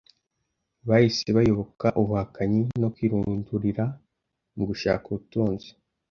bahise bayoboka ubuhakanyi no kwirundurira mu gushaka ubutunzi